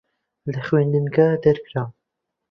لە خوێندنگە دەرکرام.